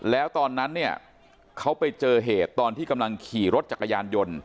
แล้วตอนนั้นเนี่ยเขาไปเจอเหตุตอนที่กำลังขี่รถจักรยานยนต์